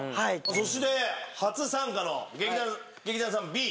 そして初参加の劇団さんＢ。